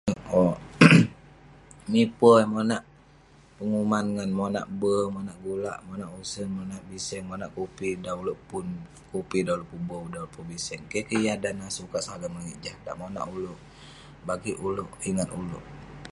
Nipe monak peguman monak bii monak gulak monak usen biseng monak kupi dan oluek pun kumi oleuk pun bek dan pun biseng keh-keh yah mukat sagam langit Jah monak oluek bagik oleuk ingat oluek